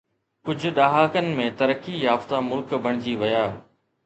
ڪجهه ڏهاڪن ۾ ترقي يافته ملڪ بڻجي ويا